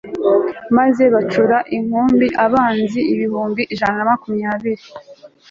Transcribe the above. maze bacura inkumbi abanzi ibihumbi ijana na makumyabiri